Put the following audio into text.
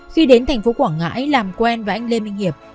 khi đến tp hcm làm quen với anh lê minh hiệp